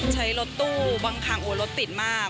ใช้รถตู้บางครั้งโอ้รถติดมาก